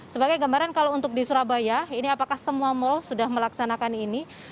sebagai gambaran kalau untuk di surabaya ini apakah semua mal sudah melaksanakan ini